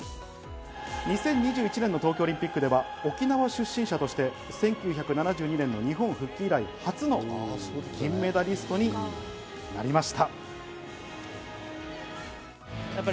２０２１年の東京オリンピックでは沖縄出身者として１９７２年の日本復帰以来、初の金メダリストになりました。